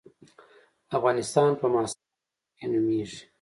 افغانستان په معاصر تاریخ کې نومېږي.